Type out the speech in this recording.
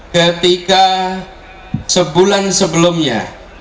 ketika sebulan sebelumnya